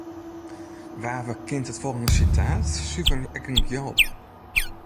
Wa werkent it folgjende sitaat, suver ek in gjalp?